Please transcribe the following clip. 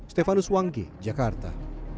stefanus wangge jakarta